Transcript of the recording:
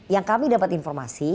yang kami dapat informasi